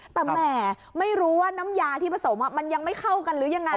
แต่แหมไม่รู้ว่าน้ำยาที่ผสมมันยังไม่เข้ากันหรือยังไง